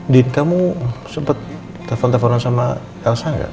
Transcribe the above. din kamu sempet telfon tefonan sama elsa gak